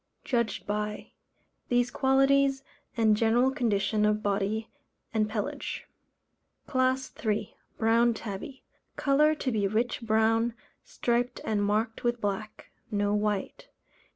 Judged by: These qualities, and general condition of body and pelage. CLASS III. Brown Tabby. Colour to be rich brown, striped and marked with black no white.